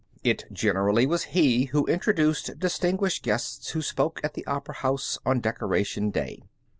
It generally was he who introduced distinguished guests who spoke at the opera house on Decoration Day.